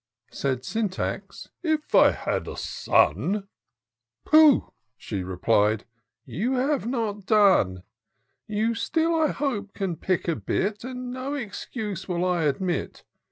Said Syntax, " If I had a son," —Pooh I " she replied, " you have not done : You still, I hope, can pick a bit, And no excuse will I admit.